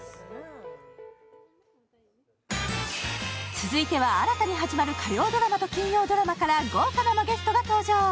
続いては新たに始まる火曜ドラマと金曜ドラマから豪華生ゲストが登場。